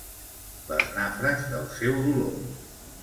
Les nafres del seu dolor.